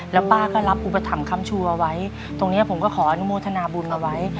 แล้วป้าก็รับอุปถัมภคำชูเอาไว้ตรงนี้ผมก็ขออนุโมทนาบุญเอาไว้